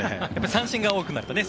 三振が多くなるとね。